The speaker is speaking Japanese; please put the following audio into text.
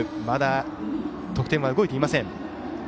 まだ得点は動いていません。